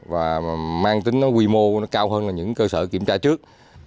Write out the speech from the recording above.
và mang tính quy mô nó cao hơn là những cơ sở kiểm tra trước